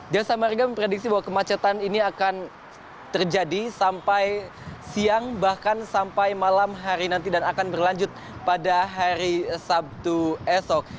jasa marga memprediksi bahwa kemacetan ini akan terjadi sampai siang bahkan sampai malam hari nanti dan akan berlanjut pada hari sabtu esok